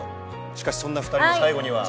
しかしそんな２人も最後には。